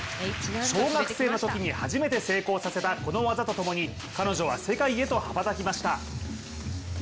小学生のときに初めて成功させたこの技とともに彼女は世界へと羽ばたきました。